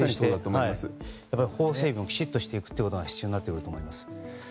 法整備もきちっとしていくことが必要になっていくと思います。